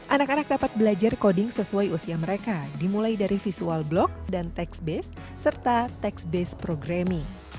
anak anak dapat belajar koding sesuai usia mereka dimulai dari visual block dan text based serta text based programming